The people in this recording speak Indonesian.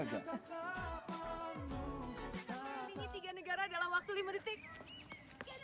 tinggi tiga negara dalam waktu lima detik